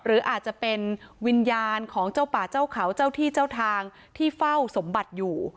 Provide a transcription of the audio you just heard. หรืออาจจะเป็นวิญญาณของเจ้าป่าเจ้าเขาเจ้าที่เจ้าทางที่เฝ้าสมบัติอยู่